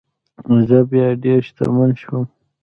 زه بیا ډیر شتمن شوم.